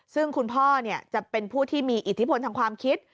ซึ่งคุณพ่อจะเป็นผู้ที่มีอิทธิพลทางความคิด